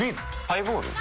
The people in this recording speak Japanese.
ハイボール？